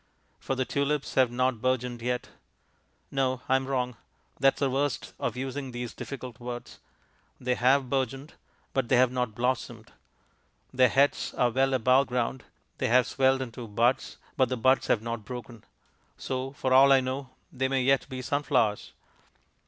For the tulips have not bourgeoned yet. No, I am wrong. (That is the worst of using these difficult words.) They have bourgeoned, but they have not blossomed. Their heads are well above ground, they have swelled into buds, but the buds have not broken. So, for all I know, they may yet be sun flowers.